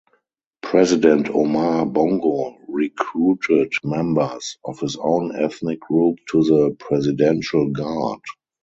President Omar Bongo recruited members of his own ethnic group to the Presidential Guard.